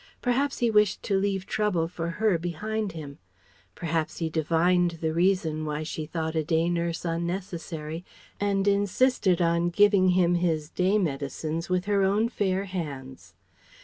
Perhaps he wished to leave trouble for her behind him; perhaps he divined the reason why she thought a day nurse unnecessary, and insisted on giving him his day medicines with her own fair hands.